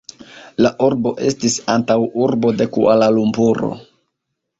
La urbo estis antaŭurbo de Kuala-Lumpuro.